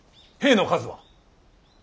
兵の数は。